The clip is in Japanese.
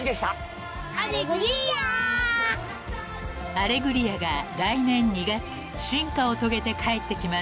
［『アレグリア』が来年２月進化を遂げて帰ってきます］